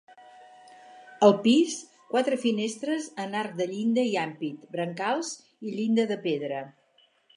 Al pis, quatre finestres en arc de llinda i ampit, brancals i llinda de pedra.